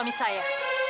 itu suami saya